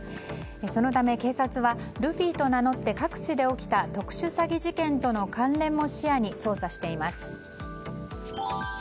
そのため、警察はルフィと名乗って各地で起きた特殊詐欺事件との関連も視野に捜査しています。